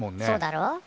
そうだろ？